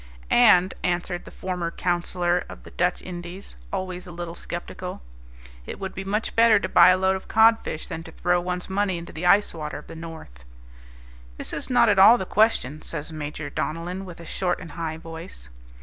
"And," answered the former counsellor of the Dutch Indies, always a little sceptical, "it would be much better to buy a load of codfish than to throw one's money into the ice water of the North." "This is not at all the question," says Major Donellan, with a short and high voice.